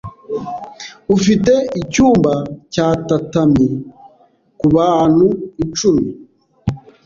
Ufite icyumba cya tatami kubantu icumi?